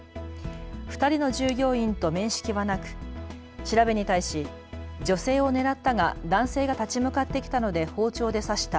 ２人の従業員と面識はなく調べに対し女性を狙ったが男性が立ち向かってきたので包丁で刺した。